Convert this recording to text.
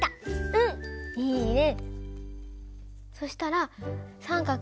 うんいいね！